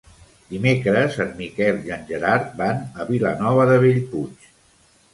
Dimecres en Miquel i en Gerard van a Vilanova de Bellpuig.